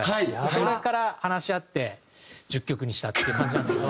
それから話し合って１０曲にしたっていう感じなんですけど。